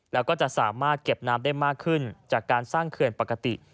แล้วก็จะสามารถเก็บน้ำได้มากขึ้นจากการสร้างเขื่อนปกติ